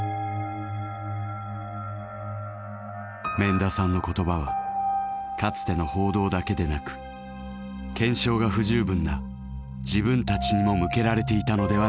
免田さんの言葉はかつての報道だけでなく検証が不十分な自分たちにも向けられていたのではないか。